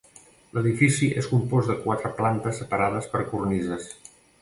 L'edifici és compost de quatre plantes separades per cornises.